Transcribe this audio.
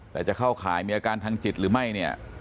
แต่จะเข้าข่ายมีอาการทางจิตหรือไม่เนี่ย